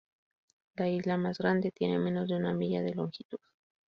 La isla más grande tiene menos de una milla de longitud.